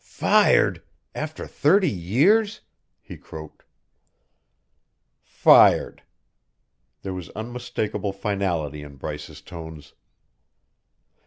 "Fired after thirty years!" he croaked. "Fired!" There was unmistakable finality in Bryce's tones.